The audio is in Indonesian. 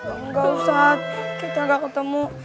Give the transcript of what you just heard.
enggak ustadz kita nggak ketemu